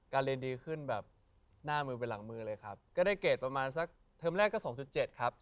เรียนดีขึ้นแบบหน้ามือไปหลังมือเลยครับก็ได้เกรดประมาณสักเทอมแรกก็สองจุดเจ็ดครับ